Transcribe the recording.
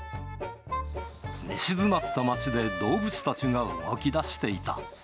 寝静まった町で動物たちが動き出していた。